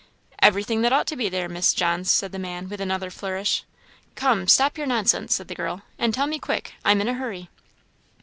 "Everything that ought to be there, Miss Johns," said the man with another flourish. "Come, stop your nonsense," said the girl, "and tell me quick I'm in a hurry."